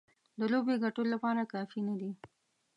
د لوبې ګټلو لپاره کافي نه دي.